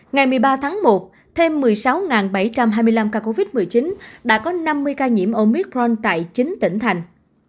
ngày một mươi ba tháng một thêm một mươi sáu bảy trăm hai mươi năm ca covid một mươi chín đã có năm mươi ca nhiễm omicron tại chín tỉnh thành